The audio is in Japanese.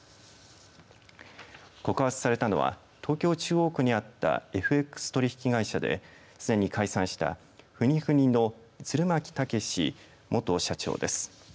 告発されたのは東京中央区にあったＦＸ取引会社ですでに解散したＦｕｎｎｙＦｕｎｎｙの釣巻剛志元社長です。